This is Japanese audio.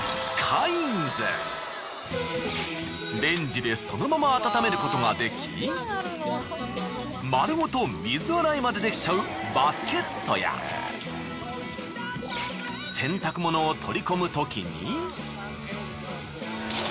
レンジでそのまま温めることができ丸ごと水洗いまでできちゃうバスケットや洗濯物を取り込むときに。